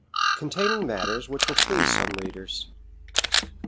_Containing matters which will please some readers.